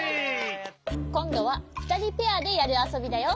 こんどはふたりペアでやるあそびだよ！